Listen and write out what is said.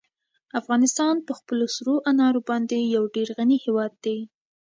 افغانستان په خپلو سرو انارو باندې یو ډېر غني هېواد دی.